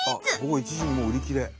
午後１時にもう売り切れ。